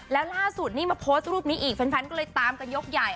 แล้วล่าสุดนี่มาโพสต์รูปนี้อีกแฟนก็เลยตามกันยกใหญ่